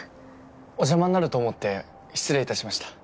お邪魔になると思って失礼いたしました。